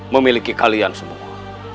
memiliki kalian semua